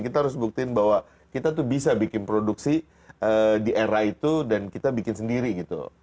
kita harus buktiin bahwa kita tuh bisa bikin produksi di era itu dan kita bikin sendiri gitu